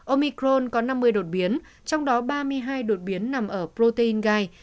omicron có năm mươi đột biến trong đó ba mươi hai đột biến nằm ở protein gai